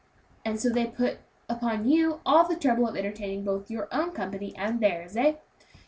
"And so they put upon you all the trouble of entertaining both your own company and theirs, eh?